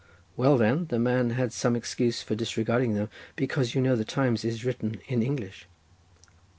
"Well, then the man had some excuse for disregarding them—because you know the Times is written in English."